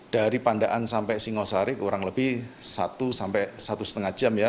dari pandaan sampai singosari kurang lebih satu sampai satu lima jam ya